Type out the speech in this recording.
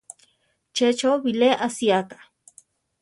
Che cho bilé asiáka.